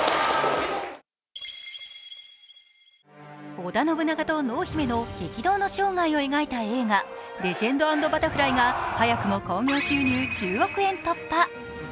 織田信長と濃姫の激動の生涯を描いた映画、「レジェンド＆バタフライ」が早くも興行収入１０億円突破。